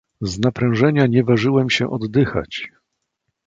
"Z naprężenia nie ważyłem się oddychać."